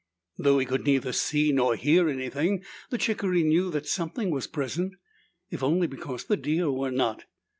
Though he could neither see nor hear anything, the chickaree knew that something was present, if only because the deer were not.